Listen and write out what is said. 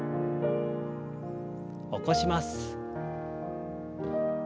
起こします。